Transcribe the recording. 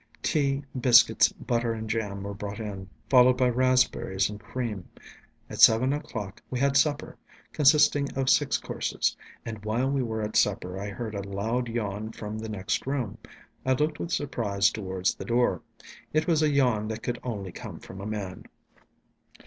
Tea, biscuits, butter, and jam were brought in, followed by raspberries and cream. At seven o'clock, we had supper, consisting of six courses, and while we were at supper I heard a loud yawn from the next room. I looked with surprise towards the door: it was a yawn that could only come from a man.